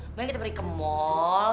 makanya kita pergi ke mall